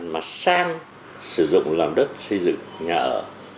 mà sang sử dụng làm đất xây dựng nhà ở